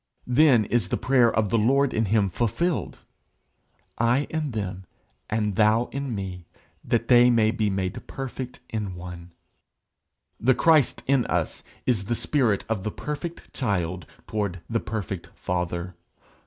Then is the prayer of the Lord in him fulfilled: 'I in them and thou in me, that they made be made perfect in one.' The Christ in us, is the spirit of the perfect child toward the perfect father.